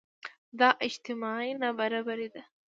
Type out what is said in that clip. دا اجتماعي نابرابري ده.